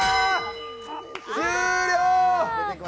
終了！